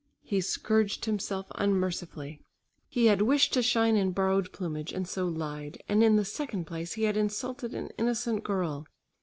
He scourged himself unmercifully. He had wished to shine in borrowed plumage, and so lied; and in the second place he had insulted an innocent girl.